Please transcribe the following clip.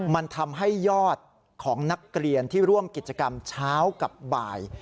มันทำให้ยอดของนักเรียนที่ร่วมกิจกรรมเช้ากับบ่าย